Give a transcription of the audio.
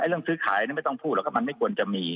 เรื่องซื้อขายไม่ต้องพูดหรอกครับมันไม่ควรจะมี